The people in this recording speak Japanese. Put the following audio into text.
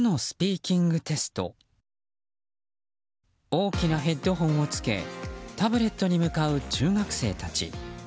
大きなヘッドホンを着けタブレットに向かう中学生たち。